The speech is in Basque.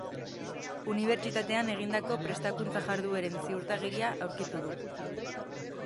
Unibertsitatean egindako prestakuntza-jardueren ziurtagiria aurkitu du.